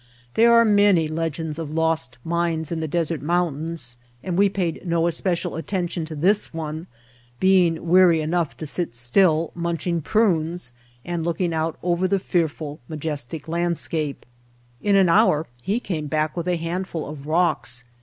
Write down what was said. There are many legends of lost mines in the desert mountains and we paid no especial attention to this one, being weary enough to sit still, munching prunes, and looking out over the fearful, majestic landscape. In an hour he came back with a handful of rocks.